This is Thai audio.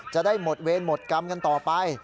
จะได้หมดเวรหมดกรรมกันต่อไป